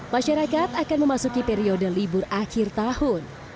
masyarakat akan memasuki periode libur akhir tahun